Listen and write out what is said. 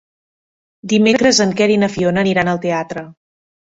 Dimecres en Quer i na Fiona aniran al teatre.